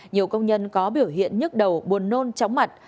nhiều công nhân có biểu hiện nhức đầu buồn nôn chóng mặt